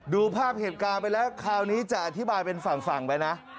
ดูภาพเหตุการณ์ไปแล้วคราวนี้จะอธิบายเป็นฝั่งไปนะ